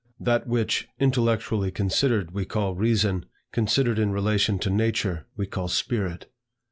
That which, intellectually considered, we call Reason, considered in relation to nature, we call Spirit.